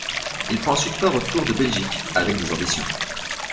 Il prend ensuite part au Tour de Belgique avec des ambitions.